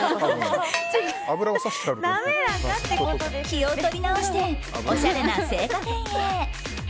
気を取り直しておしゃれな青果店へ。